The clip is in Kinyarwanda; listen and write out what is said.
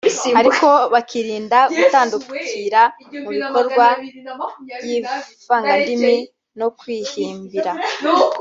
ariko bakirinda gutandukira mu bikorwa by’ivangandimi no kwihimbira